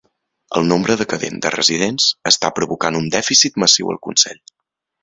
El nombre decadent de residents està provocant un dèficit massiu al consell.